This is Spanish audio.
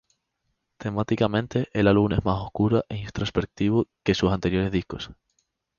Temáticamente, el álbum es más oscuro e introspectivo que sus anteriores discos.